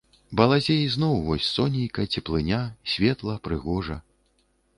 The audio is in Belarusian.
Балазе ізноў вось сонейка, цеплыня, светла, прыгожа.